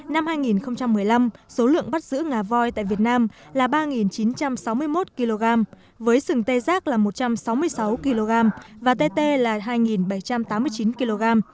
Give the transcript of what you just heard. năm hai nghìn một mươi năm số lượng bắt giữ ngà voi tại việt nam là ba chín trăm sáu mươi một kg với sừng tê giác là một trăm sáu mươi sáu kg và tt là hai bảy trăm tám mươi chín kg